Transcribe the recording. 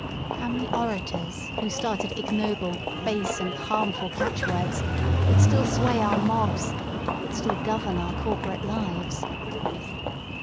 how many orators who started ignoble, base, and harmful catch words that still sway our mobs, that still govern our corporate lives?